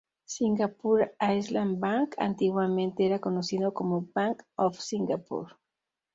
Singapore Island Bank antiguamente era conocido como Bank of Singapore.